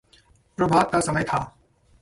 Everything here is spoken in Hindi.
प्रभात का समय था।